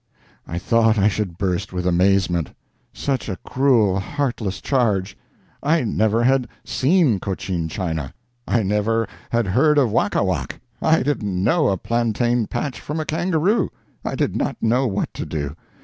I thought I should burst with amazement! Such a cruel, heartless charge! I never had seen Cochin China! I never had heard of Wakawak! I didn't know a plantain patch from a kangaroo! I did not know what to do.